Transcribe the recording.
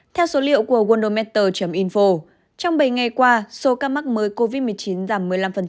theo số liệu của wondometor invo trong bảy ngày qua số ca mắc mới covid một mươi chín giảm một mươi năm